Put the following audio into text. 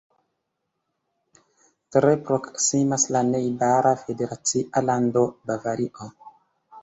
Tre proksimas la najbara federacia lando Bavario.